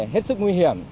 hết sức nguy hiểm